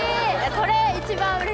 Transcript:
それ一番うれしい！